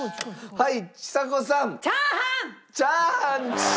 はい！